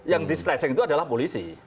yang di stressing itu adalah polisi